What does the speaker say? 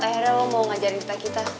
akhirnya lo mau ngajarin take kita